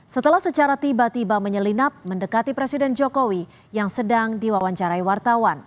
setelah secara tiba tiba menyelinap mendekati presiden jokowi yang sedang diwawancarai wartawan